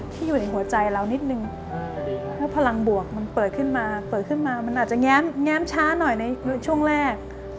อยู่ในหัวใจเรานิดนึงแล้วพลังบวกมันเปิดขึ้นมาเปิดขึ้นมามันอาจจะแง้มช้าหน่อยในช่วงแรก